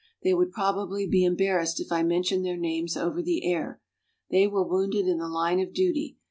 They would probably be embarrassed if I mentioned their names over the air. They were wounded in the line of duty.